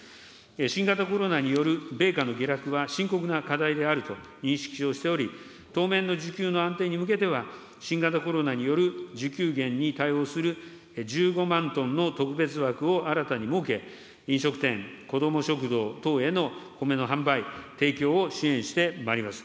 新型コロナにより、米価の下落は深刻な課題であると認識をしており、当面の需給の安定に向けては、新型コロナによる需給減に対応する１５万トンの特別枠を新たに設け、飲食店、子ども食堂等への米の販売、提供を支援してまいります。